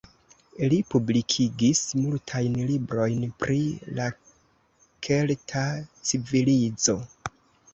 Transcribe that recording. Li publikigis multajn librojn pri la kelta civilizo.